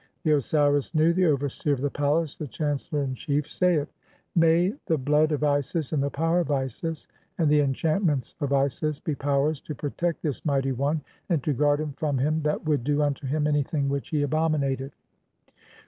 The Osiris Nu, the overseer of the palace, the chancellor in chief, saith :— "May the blood of Isis, and the powers of Isis, and the enchant "ments of Isis be powers to protect (2) this mighty one and to "guard him from him that would do unto him anything which "he abominateth."